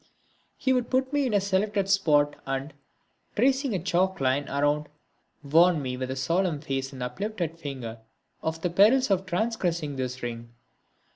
He would put me into a selected spot and, tracing a chalk line all round, warn me with solemn face and uplifted finger of the perils of transgressing this ring.